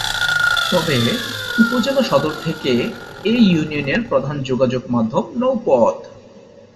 তবে উপজেলা সদর থেকে এ ইউনিয়নের প্রধান যোগাযোগ মাধ্যম নৌপথ।